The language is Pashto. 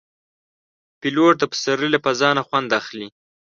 پیلوټ د پسرلي له فضا نه خوند اخلي.